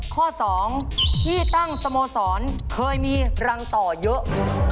ข้อ๒ที่ตั้งสโมสรเคยมีรังต่อเยอะ